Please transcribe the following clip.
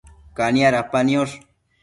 Cania dapa niosh